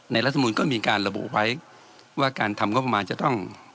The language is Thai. ในรัฐมูลก็มีการระบุไว้ว่าการทำกบมาจะต้อง